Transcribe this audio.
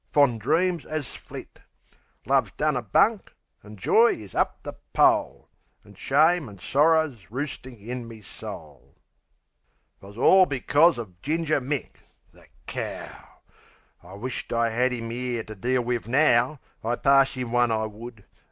Fond dreams'as flit; Love's done a bunk, an' joy is up the pole; An' shame an' sorrer's roostin' in me soul. 'Twus orl becors uv Ginger Mick the cow! (I wish't I 'ad 'im 'ere to deal wiv now! I'd pass 'im one, I would!